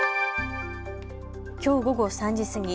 きょう午後３時過ぎ